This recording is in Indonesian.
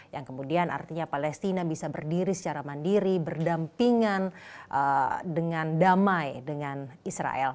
yang kemudian artinya palestina bisa berdiri secara mandiri berdampingan dengan damai dengan israel